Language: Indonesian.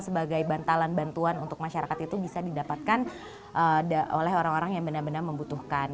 sebagai bantalan bantuan untuk masyarakat itu bisa didapatkan oleh orang orang yang benar benar membutuhkan